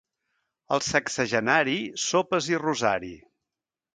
Al sexagenari, sopes i rosari.